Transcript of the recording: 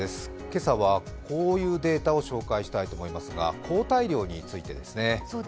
今朝はこういうデータを紹介したいと思いますが抗体量についてですね。